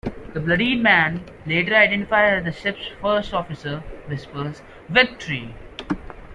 The bloodied man, later identified as the ship's first officer, whispers, Victory!